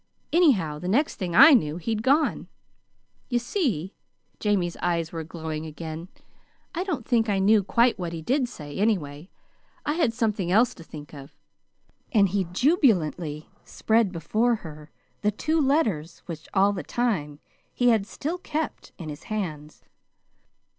Anyhow, the next thing I knew he'd gone. You see," Jamie's eyes were glowing again "I don't think I knew quite what he did say, anyway. I had something else to think of." And he jubilantly spread before her the two letters which all the time he had still kept in his hands.